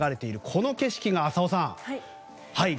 この景色が、浅尾さん